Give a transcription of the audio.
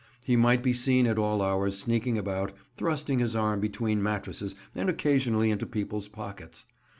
He might be seen at all hours sneaking about, thrusting his arm between mattresses and occasionally into people's pockets.